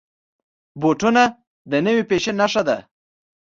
بوټونه د نوي فیشن نښه ده.